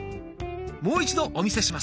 もう一度お見せします。